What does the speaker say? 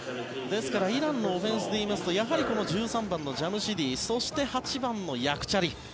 ですからイランのオフェンスでいいますと１３番のジャムシディ８番のヤクチャリ。